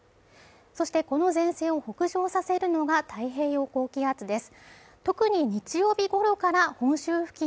そしてこの前線を北上させるのが太平洋高気圧です